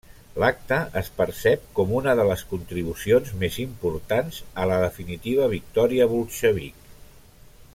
L'acte es percep com una de les contribucions més importants a la definitiva victòria bolxevic.